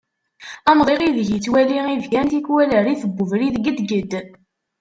Amḍiq ideg yettwali ibkan tikwal rrif n ubrid gedged.